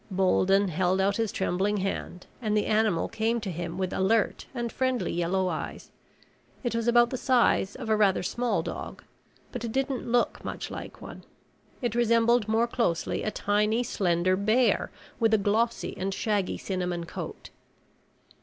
Bolden held out his trembling hand and the animal came to him with alert and friendly yellow eyes. It was about the size of a rather small dog, but it didn't look much like one. It resembled more closely a tiny slender bear with a glossy and shaggy cinnamon coat.